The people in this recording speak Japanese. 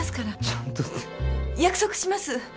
「ちゃんと」って。約束します。